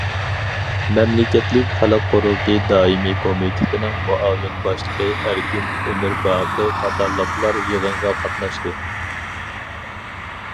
مەملىكەتلىك خەلق قۇرۇلتىيى دائىمىي كومىتېتىنىڭ مۇئاۋىن باشلىقى ئەركىن ئىمىرباقى قاتارلىقلار يىغىنغا قاتناشتى.